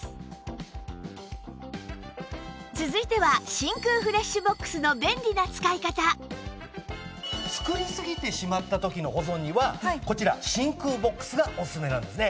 続いては真空フレッシュボックスの便利な使い方作りすぎてしまった時の保存にはこちら真空ボックスがおすすめなんですね。